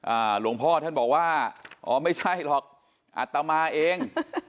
หลวงพ่อท่านบอกว่าอ๋อไม่ใช่หรอกอัตมาเอง